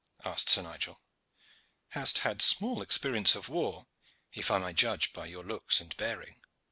asked Sir Nigel. "Hast had small experience of war, if I may judge by your looks and bearing."